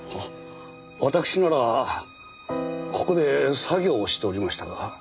私ならここで作業をしておりましたが。